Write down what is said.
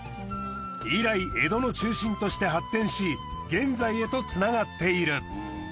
以来江戸の中心として発展し現在へとつながっている。